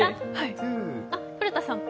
古田さんは？